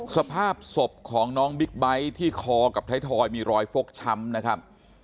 สภาพศพของน้องบิ๊กไบท์ที่คอกับไทยทอยมีรอยฟกช้ำนะครับ